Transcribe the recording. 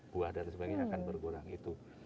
buah dan sebagainya akan berkurang itu